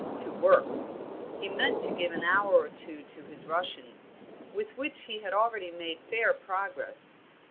To work! He meant to give an hour or two to his Russian, with which he had already made fair progress.